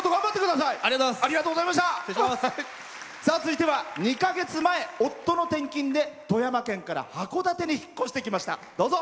続いては２か月前、夫の転勤で富山県から函館に引っ越してきました。